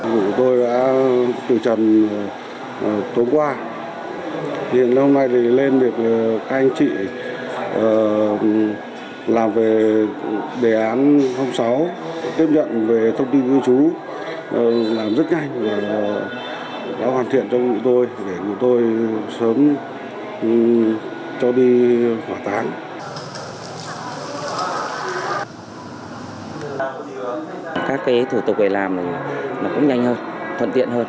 các thủ tục này làm cũng nhanh hơn thuận tiện hơn